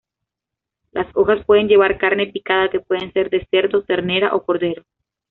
Las hojas pueden llevar carne picada que puede ser de cerdo, ternera, o cordero.